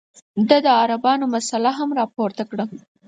ده د عربانو مسله هم راپورته کړه.